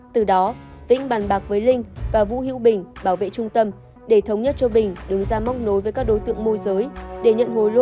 từ đó vĩnh bàn bạc với linh và vũ hiễu bình bảo vệ trung tâm để thống nhất cho bình đứng ra móc nối với các đối tượng môi giới